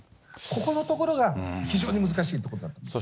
ここのところが非常に難しいところだと思います。